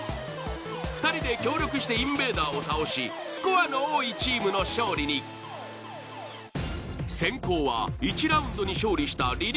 ２人で協力してインベーダーを倒しスコアの多いチームの勝利に先攻は１ラウンドに勝利したリ・リ・